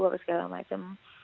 terus segala macem